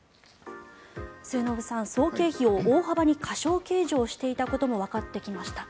末延さん、総経費を大幅に過少計上していたこともわかってきました。